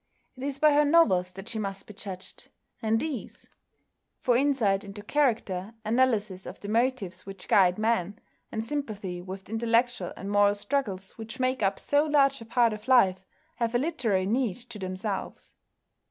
It is by her novels that she must be judged, and these, for insight into character, analysis of the motives which guide men, and sympathy with the intellectual and moral struggles which make up so large a part of life, have a literary niche to themselves.